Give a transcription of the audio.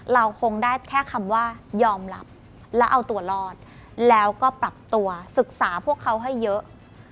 เราคงได้แค่คำว่ายอมรับแล้วเอาตัวรอดแล้วก็ปรับตัวศึกษาพวกเขาให้เยอะ